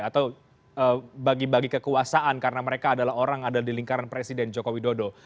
atau bagi bagi kekuasaan karena mereka adalah orang ada di lingkaran presiden joko widodo